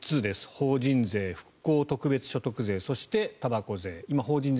法人税、復興特別所得税そして、たばこ税。